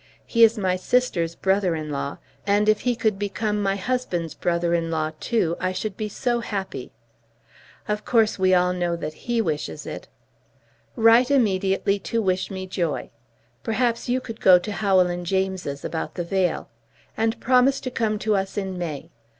He is my sister's brother in law, and if he could become my husband's brother in law too, I should be so happy. Of course we all know that he wishes it. Write immediately to wish me joy. Perhaps you could go to Howell and James's about the veil. And promise to come to us in May.